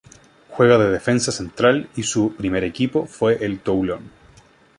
Juega de defensa central y su primer equipo fue el Toulon.